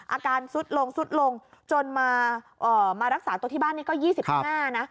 อาการสุดลงสุดลงจนมาเอ่อมารักษาตัวที่บ้านนี่ก็ยี่สิบห้านะ